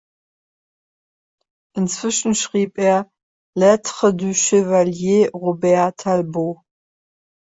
Inzwischen schrieb er „Lettres du chevalier Robert Talbot“.